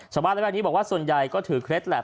ชาวบ้านในแบบนี้บอกว่าส่วนใหญ่ก็ถือเคล็ดแลป